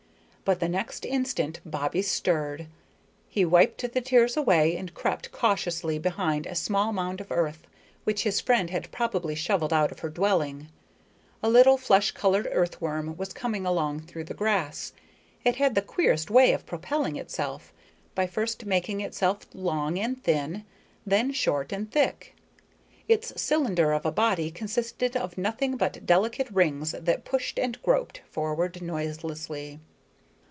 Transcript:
But the next instant Bobbie stirred. He wiped the tears away and crept cautiously behind a small mound of earth, which his friend had probably shoveled out of her dwelling. A little flesh colored earthworm was coming along through the grass. It had the queerest way of propelling itself, by first making itself long and thin, then short and thick. Its cylinder of a body consisted of nothing but delicate rings that pushed and groped forward noiselessly.